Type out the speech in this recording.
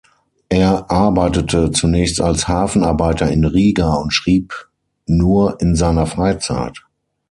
Er arbeitete zunächst als Hafenarbeiter in Riga und schrieb nur in seiner Freizeit.